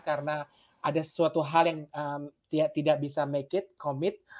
karena ada sesuatu hal yang tidak bisa make it commit